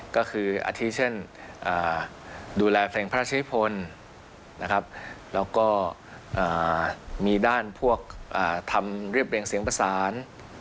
ก็คืออาทิเช่นดูแลเพลงพระชีพลและก็มีด้านพวกทำเรียบเพลงเสียงประสาน